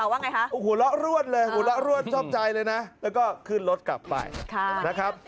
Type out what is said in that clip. ว่าไงคะโอ้โหเรารวดเลยหัวเราะรวดชอบใจเลยนะแล้วก็ขึ้นรถกลับไปนะครับ